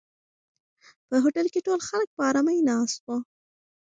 په هوټل کې ټول خلک په آرامۍ ناست وو.